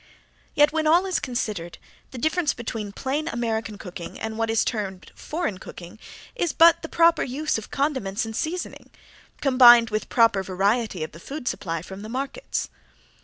Yet when all is considered the difference between plain American cooking and what is termed Foreign cooking, is but the proper use of condiments and seasoning, combined with proper variety of the food supply from the markets.